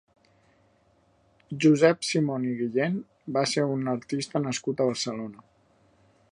Josep Simont i Guillén va ser un artista nascut a Barcelona.